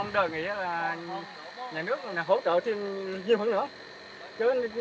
mong đợi nghĩa là nhà nước hỗ trợ thêm nhiều hơn nữa